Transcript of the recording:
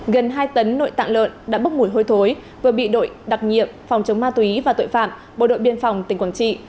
gần hai tấn nội tạng lợn đã bốc mùi hôi thối vừa bị đội đặc nhiệm phòng chống ma túy và tội phạm bộ đội biên phòng tỉnh quảng trị